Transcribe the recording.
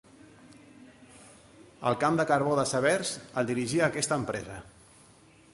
El camp de carbó de Severs el dirigia aquesta empresa.